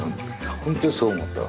本当にそう思ったの。